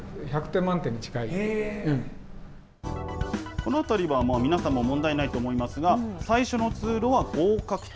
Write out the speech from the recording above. この辺りも皆さん、問題ないと思いますが最初の通路は合格点。